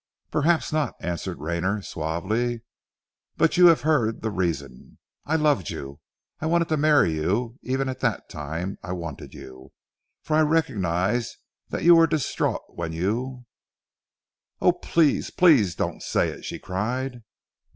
"Perhaps not," answered Rayner suavely. "But you have heard the reason. I loved you. I wanted to marry you, even at that time I wanted you; for I recognized that you were distraught when you " "Oh please! Please! Do not say it!" she cried.